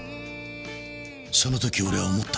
その時俺は思った。